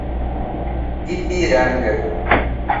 Ipiranga